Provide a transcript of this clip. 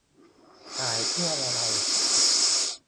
- ถ่ายเพื่ออะไร